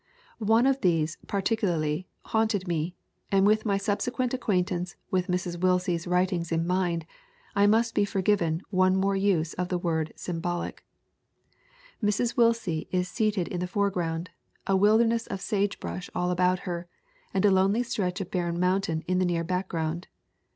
One of these, particularly, haunted me, and with my subsequent ac quaintance with Mrs. Willsie's writings in mind, I must be forgiven one more use of the word 'symbolic' Mrs. Willsie is seated in the foreground, a wilder ness of sagebrush all about her, and a lonely stretch of barren mountain in the near background.